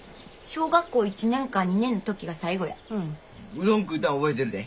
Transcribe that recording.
うどん食うたの覚えてるで。